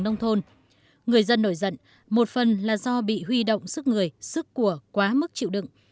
nông thôn người dân nổi giận một phần là do bị huy động sức người sức của quá mức chịu đựng